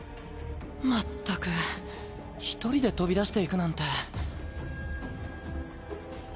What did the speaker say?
まったく一人で飛び出していくなんて。